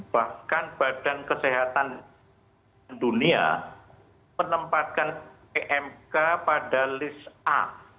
bahkan badan kesehatan dunia menempatkan pmk pada list a